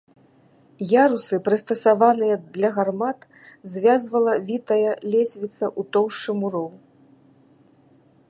Ярусы, прыстасаваныя для гармат, звязвала вітая лесвіца ў тоўшчы муроў.